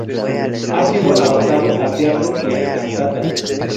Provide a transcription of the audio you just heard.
Ha sido adaptado al teatro y a cantatas.